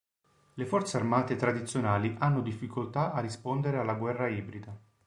Le forze armate tradizionali hanno difficoltà a rispondere alla guerra ibrida.